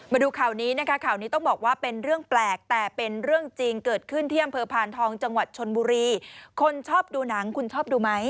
มาดูข่าวนี้นะคะข่าวนี้ต้องบอกว่าเป็นเรื่องแปลกแต่เป็นเรื่องจริงเกิดขึ้นที่อำเภอพานทองจังหวัดชนบุรีคนชอบดูหนังคุณชอบดูไหม